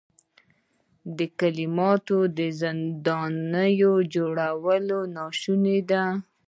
د کلماتو زندان جوړول ناشوني دي.